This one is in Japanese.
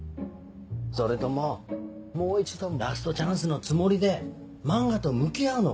それとももう一度ラストチャンスのつもりで漫画と向き合うのか。